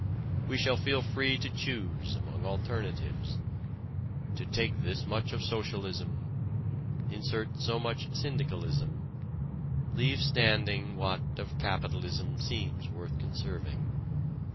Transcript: We shall feel free to choose among alternatives to take this much of socialism, insert so much syndicalism, leave standing what of capitalism seems worth conserving.